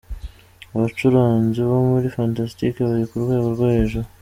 Abacuranzi bo muri Fantastic bari ku rwego rwo hejuru.